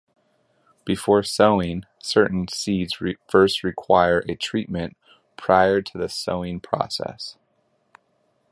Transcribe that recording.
Before sowing, certain seeds first require a treatment prior to the sowing process.